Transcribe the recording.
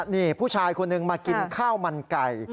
นี่ผู้ชายคนหนึ่งมากินข้าวมันไก่